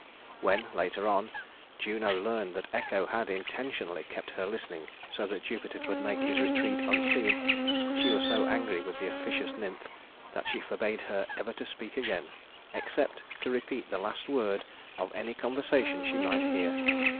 When, later on, Juno learned that Echo had intentionally kept her listening so that Jupiter could make his retreat unseen, she was so angry with the officious nymph that she forbade her ever to speak again, except to repeat the last word of any conversation she might hear.